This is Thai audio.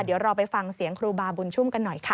เดี๋ยวเราไปฟังเสียงครูบาบุญชุ่มกันหน่อยค่ะ